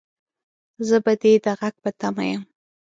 زه به دې د غږ په تمه يم